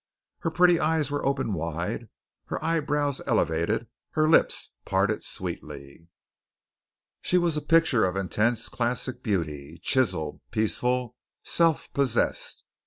Her pretty eyes were open wide, her eyebrows elevated, her lips parted sweetly. She was a picture of intense classic beauty, chiseled, peaceful, self possessed.